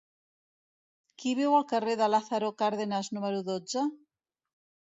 Qui viu al carrer de Lázaro Cárdenas número dotze?